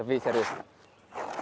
tidak dibuat buat tapi serius